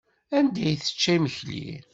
Anda ay tečča imekli?